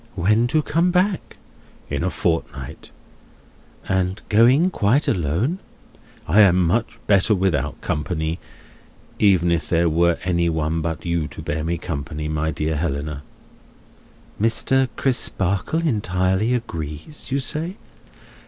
"When to come back?" "In a fortnight." "And going quite alone?" "I am much better without company, even if there were any one but you to bear me company, my dear Helena." "Mr. Crisparkle entirely agrees, you say?"